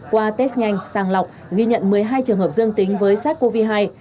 qua test nhanh sàng lọc ghi nhận một mươi hai trường hợp dương tính với sars cov hai